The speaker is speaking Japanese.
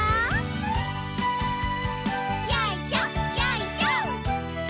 よいしょよいしょ。